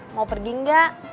mau pergi gak